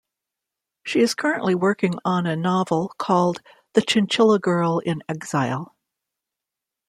She is currently working on a novel called "The Chinchilla Girl in Exile".